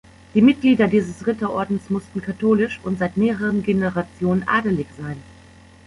Die Mitglieder dieses Ritterordens mussten katholisch und seit mehreren Generationen adelig sein.